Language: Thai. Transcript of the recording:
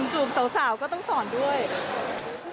จูบสาวก็ต้องสอนด้วย